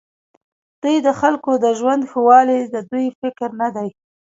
دوی د خلکو د ژوند ښهوالی د دوی فکر نه دی.